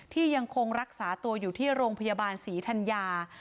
ยังคงรักษาตัวอยู่ที่โรงพยาบาลศรีธัญญา